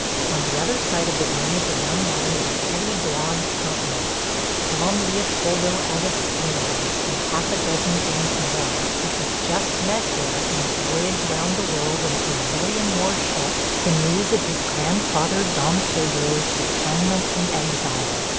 On the other side of the room is a young man with a heavy blond countenance – Dom Leopoldo Agostino and half a dozen things more, who has just met here, in his voyage round the world in a Brazilian war ship, the news of his grandfather Dom Pedro's dethronement and exile.